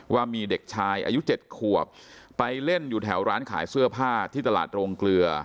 ว่ามีเด็กชายอายุ๗ขวบไปเล่นอยู่แถวร้านขายเสื้อผ้าที่ตลาดโรงเกลือ